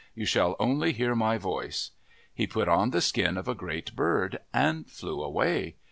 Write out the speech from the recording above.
You shall only hear my voice." He put on the skin of a great bird and flew away.